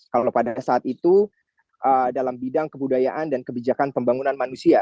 kalau pada saat itu dalam bidang kebudayaan dan kebijakan pembangunan manusia